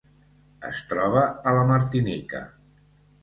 Es troba a la Martinica.